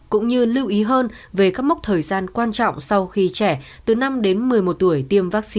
cũng như lưu ý hơn về các mốc thời gian quan trọng sau khi trẻ từ năm đến một mươi một tuổi tiêm vaccine covid một mươi chín